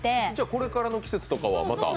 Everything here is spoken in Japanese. これからの季節とかはまた。